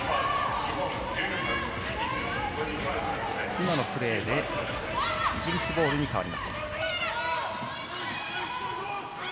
今のプレーでイギリスボールに変わります。